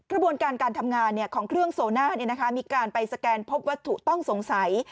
กระบวนการการทำงานของเครื่องโซน่ามีการไปสแกนพบวัตถุต้องสงสัย